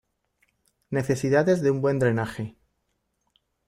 Necesidades de un buen drenaje.